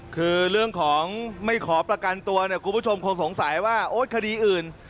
คือเรื่องของไม่ขอประกันตัวเนี่ยคุณผู้ชมคงสงสัยว่าโอ๊ยคดีอื่น